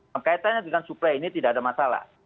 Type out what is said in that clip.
mengaitannya dengan suplai ini tidak ada masalah